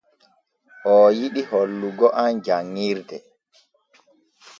Oo yiɗi hollugo am janŋirde.